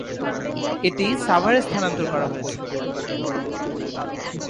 এটিকে সাভারে স্থানান্তর করা হয়েছে।